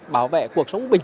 bảo vệ cuộc sống của người dân